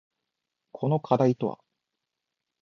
この課題とは？